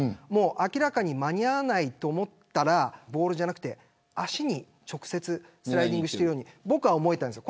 明らかに間に合わないと思ったらボールじゃなくて脚に直接スライディングしているように僕は思えたんですよ。